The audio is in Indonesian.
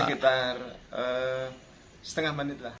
sekitar setengah menit lah